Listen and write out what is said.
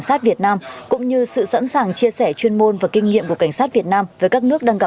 sát việt nam cũng như sự sẵn sàng chia sẻ chuyên môn và kinh nghiệm của cảnh sát việt nam với các nước